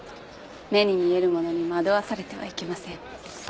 目に見えるものに惑わされてはいけません。